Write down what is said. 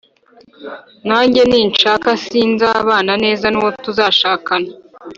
Nanjye ninshaka sinzabana neza n uwo tuzashakana